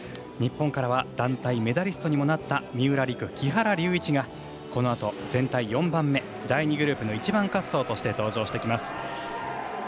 日本からは団体メダリストにもなった三浦璃来、木原龍一がこのあと、全体４番目第２グループの１番滑走として登場してきます。